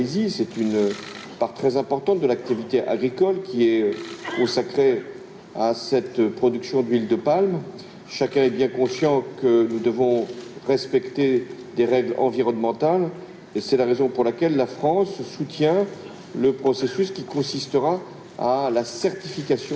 serta pertukaran tenaga peneliti